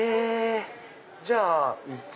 じゃあ苺。